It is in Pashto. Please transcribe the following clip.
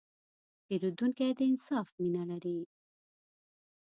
پیرودونکی د انصاف مینه لري.